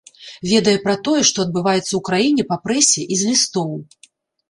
Ведае пра тое, што адбываецца ў краіне па прэсе і з лістоў.